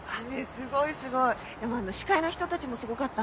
すごいすごいでもあの司会の人たちもすごかったね。